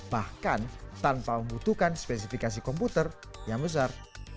bahkan tanpa membutuhkan spesifikasi komputer yang besar